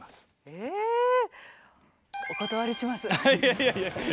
えいやいやいやいや。